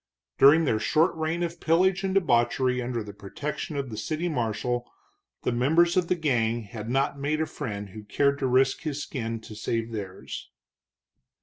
During their short reign of pillage and debauchery under the protection of the city marshal, the members of the gang had not made a friend who cared to risk his skin to save theirs.